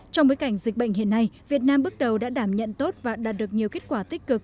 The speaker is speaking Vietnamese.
trong bối cảnh dịch bệnh hiện nay việt nam bước đầu đã đảm nhận tốt và đạt được nhiều kết quả tích cực